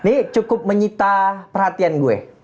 ini cukup menyita perhatian gue